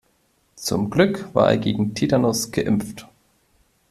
Zum Glück war er gegen Tetanus geimpft.